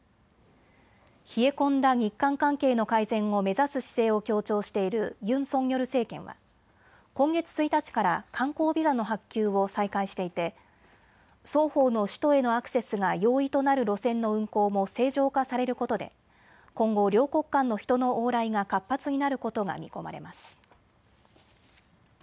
冷え込んだ日韓関係の改善を目指す姿勢を強調しているユン・ソンニョル政権は今月１日から観光ビザの発給を再開していて、双方の首都へのアクセスが容易となる路線の運航も正常化されることで今後、両国間の人の往来が活発になることが見込まれます。